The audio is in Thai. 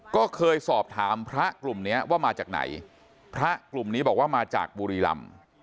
ก็เคยสอบถามพระกลุ่มนี้ว่ามาจากไหนพระกลุ่มนี้บอกว่ามาจากบุรีรำ